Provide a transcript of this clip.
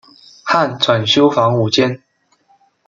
汉纂修房五间。